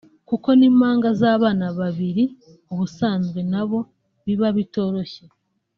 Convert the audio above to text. kuko n’impanga z’abana babiri ubusanzwe na bo biba bitoroshye